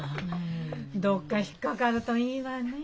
どっか引っ掛かるといいわね。